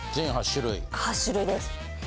８種類です。